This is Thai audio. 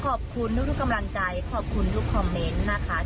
ขอบคุณทุกกำลังใจขอบคุณทุกคอมเมนต์นะคะ